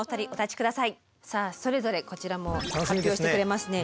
さあそれぞれこちらも発表してくれますね。